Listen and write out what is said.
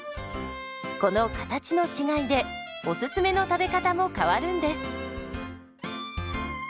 この形の違いでおすすめの食べ方も変わるんです。